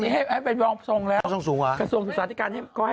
มีให้ให้เป็นรองส่งแล้วส่งสูงหรอส่งสาธิการให้ก็ให้